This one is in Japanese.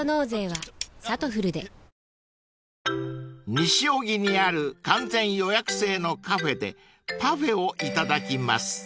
［西荻にある完全予約制のカフェでパフェをいただきます］